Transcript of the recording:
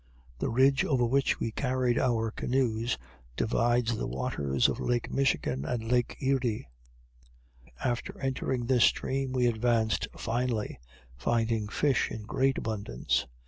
The ridge over which we carried our canoes divides the waters of lake Michigan and lake Erie. After entering this stream we advanced finely, finding fish in great abundance.